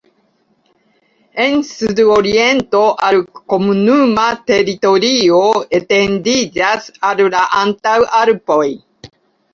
En sudoriento al komunuma teritorio etendiĝas al la Antaŭalpoj.